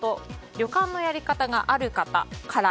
旅館のやり方があるから。